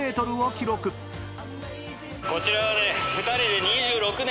こちらはね。